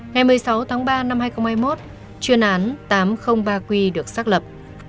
ngày một mươi sáu tháng ba năm hai nghìn hai mươi một chuyên án tám trăm linh ba q được xác lập